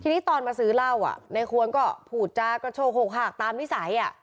ทีนี้ตอนมาซื้อเล่าอ่ะในควรก็พูดจากกระโชคหกหากตามนิสัยอ่ะ